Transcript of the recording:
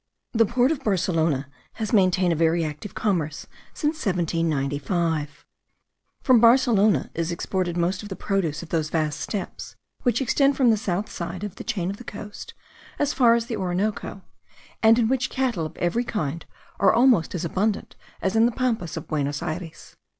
The port of Barcelona has maintained a very active commerce since 1795. From Barcelona is exported most of the produce of those vast steppes which extend from the south side of the chain of the coast as far as the Orinoco, and in which cattle of every kind are almost as abundant as in the Pampas of Buenos Ayres.